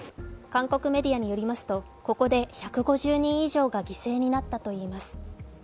韓国メディアによりますと、ここで１５０人以上が犠牲になったといいます。